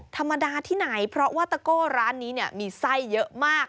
ธรรมดาที่ไหนเพราะว่าตะโก้ร้านนี้เนี่ยมีไส้เยอะมาก